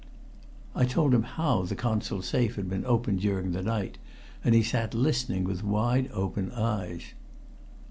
I told him how the Consul's safe had been opened during the night, and he sat listening with wide open eyes.